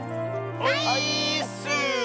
オイーッス！